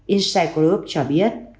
insight group cho biết